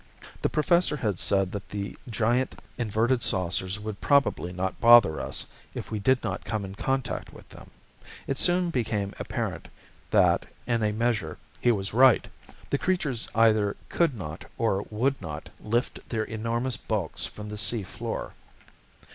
The Professor had said that the giant inverted saucers would probably not bother us if we did not come in contact with them. It soon became apparent that, in a measure, he was right. The creatures either could not or would not lift their enormous bulks from the sea floor.